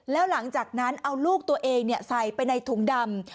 แล้วหลังจากนั้นเอาลูกตัวเองใส่ไปในถุงดำ